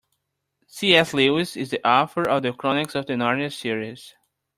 C.S. Lewis is the author of The Chronicles of Narnia series.